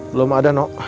belum ada nino